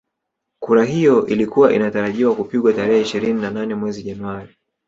Kura hiyo ilikuwa inatarajiwa kupigwa tarehe ishirini na nane mwezi Januari